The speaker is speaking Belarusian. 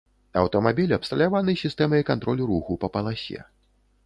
Аўтамабіль абсталяваны сістэмай кантролю руху па паласе.